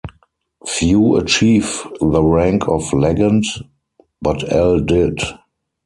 Few achieve the rank of legend, but Al did.